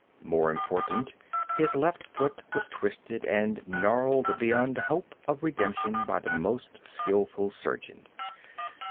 More important, his left foot was twisted and gnarled beyond hope of redemption by the most skillful surgeon.